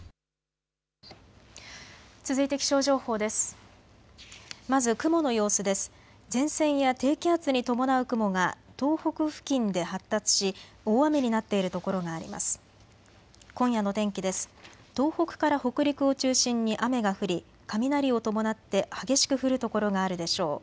東北から北陸を中心に雨が降り雷を伴って激しく降る所があるでしょう。